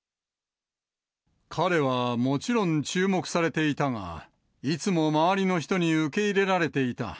彼はもちろん注目されていたが、いつも周りの人に受け入れられていた。